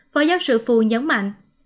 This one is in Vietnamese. phó giáo sư phu nhấn mạnh